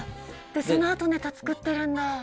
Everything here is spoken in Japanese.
そのあと、ネタ作っているんだ。